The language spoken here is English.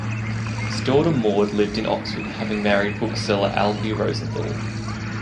His daughter Maud lived in Oxford, having married the bookseller Albi Rosenthal.